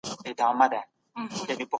په هر ښار کي باید لوی کتابتونونه موجود وي.